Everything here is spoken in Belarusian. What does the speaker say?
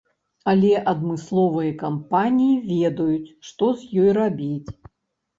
Але адмысловыя кампаніі ведаюць, што з ёй рабіць.